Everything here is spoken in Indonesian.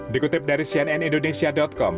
dikutip dari cnnindonesia com